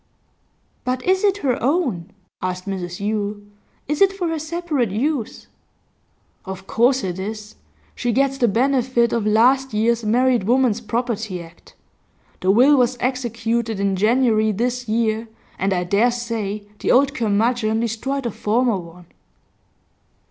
'But is it her own?' asked Mrs Yule. 'Is it for her separate use?' 'Of course it is. She gets the benefit of last year's Married Woman's Property Act. The will was executed in January this year, and I dare say the old curmudgeon destroyed a former one.